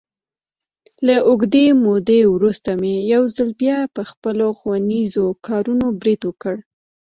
له اوږدې مودې ورسته مې یو ځل بیا، په خپلو ښوونیزو کارونو برید وکړ.